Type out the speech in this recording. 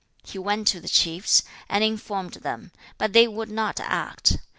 He went to the chiefs, and informed them, but they would not act.